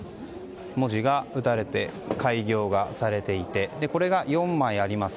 文字が打たれて改行がされていてこれが４枚あります。